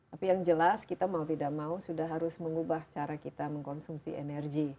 tapi yang jelas kita mau tidak mau sudah harus mengubah cara kita mengkonsumsi energi